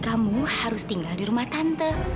kamu harus tinggal di rumah tante